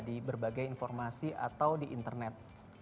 di berbagai informasi atau di internet